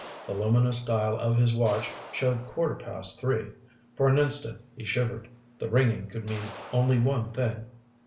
The luminous dial of his watch showed quarter past three. For an instant he shivered. The ringing could mean only one thing.